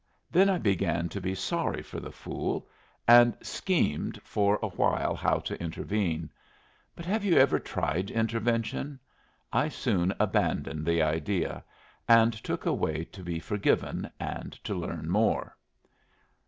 Then I began to be sorry for the fool, and schemed for a while how to intervene. But have you ever tried intervention? I soon abandoned the idea, and took a way to be forgiven, and to learn more.